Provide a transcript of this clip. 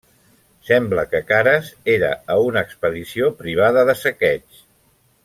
Sembla que Cares era a una expedició privada de saqueig.